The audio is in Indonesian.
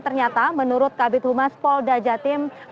ternyata menurut kabit humas polda jawa timur